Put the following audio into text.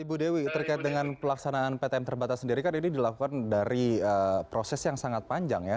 ibu dewi terkait dengan pelaksanaan ptm terbatas sendiri kan ini dilakukan dari proses yang sangat panjang ya